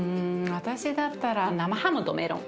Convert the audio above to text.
私だったら生ハムとメロン。